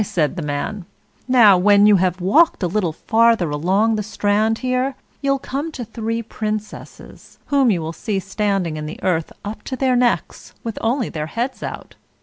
said the man; "now when you have walked a little farther along the strand here, you'll come to three Princesses, whom you will see standing in the earth up to their necks, with only their heads out.